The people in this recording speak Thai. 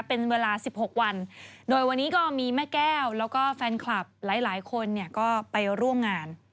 เป็นเวลา๑๖วันโดยวันนี้ก็มีแม่แก้วแล้วก็แฟนคลับหลายคนเนี่ยก็ไปร่วมงาน